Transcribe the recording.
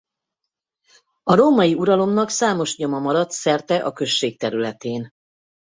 A római uralomnak számos nyoma maradt szerte a község területén.